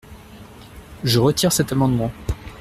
Je retire cet amendement.